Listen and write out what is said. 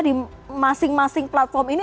di masing masing platform ini